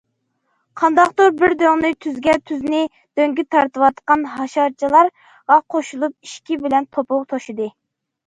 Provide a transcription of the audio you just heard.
قانداقتۇر بىر دۆڭنى تۈزگە، تۈزنى دۆڭگە تارتىۋاتقان ھاشارچىلارغا قوشۇلۇپ ئېشىكى بىلەن توپا توشىدى.